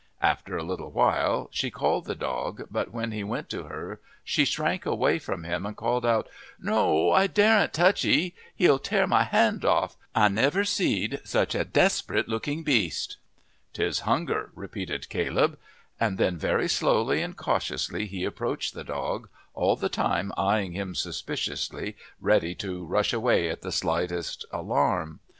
After a little while she called the dog, but when he went to her she shrank away from him and called out, "No, I daren't touch he he'll tear my hand off. I never see'd such a desprit looking beast!" "'Tis hunger," repeated Caleb, and then very slowly and cautiously he approached, the dog all the time eyeing him suspiciously, ready to rush away on the slightest alarm.